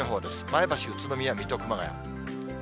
前橋、宇都宮、水戸、熊谷。